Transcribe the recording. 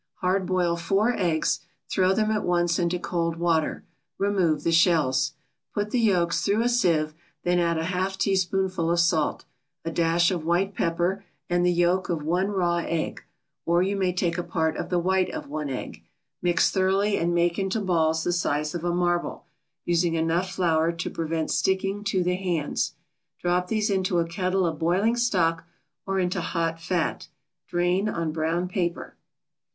Hard boil four eggs, throw them at once into cold water, remove the shells. Put the yolks through a sieve, then add a half teaspoonful of salt, a dash of white pepper and the yolk of one raw egg, or you may take a part of the white of one egg. Mix thoroughly and make into balls the size of a marble, using enough flour to prevent sticking to the hands. Drop these into a kettle of boiling stock, or into hot fat. Drain on brown paper.